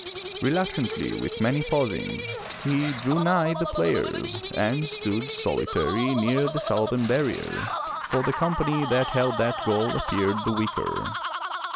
Reluctantly, with many pausings, he drew nigh the players, and stood solitary near the southern barrier, for the company that held that goal appeared the weaker.